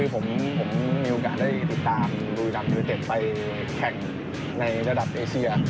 ก็พอมีโอกาสได้ติดตามดูยรัมยูเจ็ตไปแข่งในระดับอเซีย